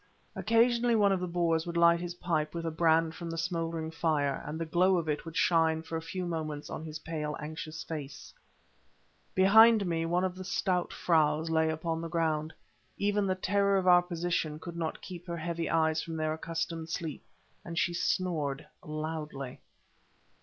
Occasionally one of the Boers would light his pipe with a brand from the smouldering fire, and the glow of it would shine for a few moments on his pale, anxious face. Behind me one of the stout "fraus" lay upon the ground. Even the terror of our position could not keep her heavy eyes from their accustomed sleep, and she snored loudly.